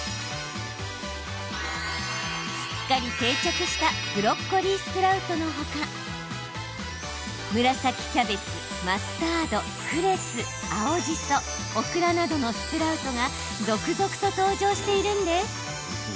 すっかり定着したブロッコリースプラウトのほか紫キャベツ、マスタード、クレス青じそ、オクラなどのスプラウトが続々と登場しているんです。